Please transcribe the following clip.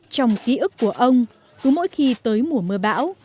trong ký ức của ông cứ mỗi khi tới mùa mưa bão